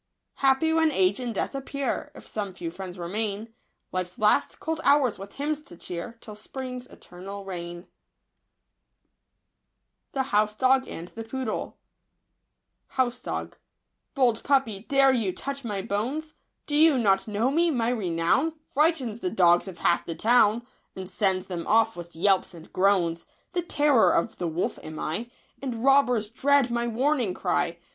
Happy when age and death appear. If some few friends remain, Life's last cold hours with hymns to cheer. Till spring's eternal reign." * The Lark only is up in the skies earlier. 42 W$t ?§>ou 3 Se=^iog anto tpe fwW*. House dog . Bold puppy, dare you touch my bones ? Do you not know me ?— my renown Frightens the dogs of half the town. And sends them off with yelps and groans ; The terror of the wolf am I, And robbers dread my warning cry.